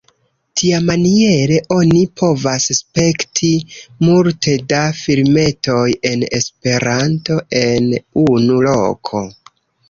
Tiamaniere oni povas spekti multe da filmetoj en Esperanto en unu loko.